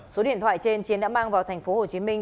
số điện thoại trên chiến đã mang vào thành phố hồ chí minh